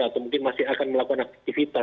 atau mungkin masih akan melakukan aktivitas